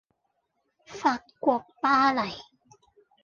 法國巴黎